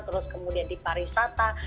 terus kemudian di pariwisata